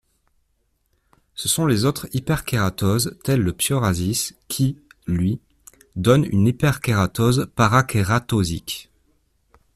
Ce sont les autres hyperkératoses telles le psoriasis qui, lui, donne une hyperkératose parakératosique.